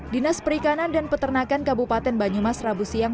dinas perikanan dan peternakan kabupaten banyumas rabu siang